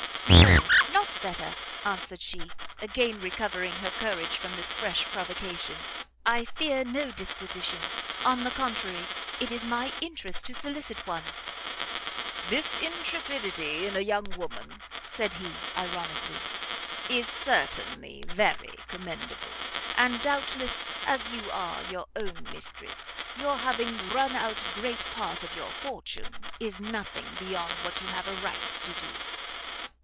"No, not better," answered she, again recovering her courage from this fresh provocation; "I fear no disquisition; on the contrary, it is my interest to solicit one." "This intrepidity in a young woman," said he, ironically, "is certainly very commendable; and doubtless, as you are your own mistress, your having run out great part of your fortune, is nothing beyond what you have a right to do."